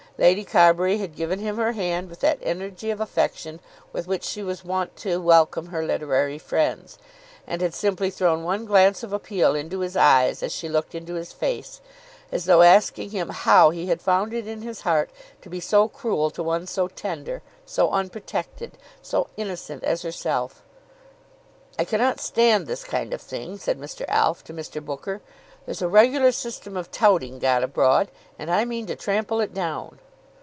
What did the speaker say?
Lady Carbury had given him her hand with that energy of affection with which she was wont to welcome her literary friends, and had simply thrown one glance of appeal into his eyes as she looked into his face, as though asking him how he had found it in his heart to be so cruel to one so tender, so unprotected, so innocent as herself. "I cannot stand this kind of thing," said Mr. Alf, to Mr. Booker. "There's a regular system of touting got abroad, and I mean to trample it down."